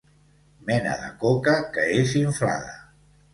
Mena de coca que és inflada.